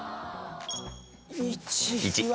１。